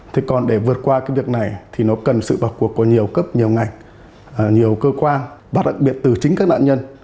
thế còn để vượt qua cái việc này thì nó cần sự vào cuộc của nhiều cấp nhiều ngành nhiều cơ quan và đặc biệt từ chính các nạn nhân